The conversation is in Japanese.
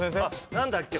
何だっけ？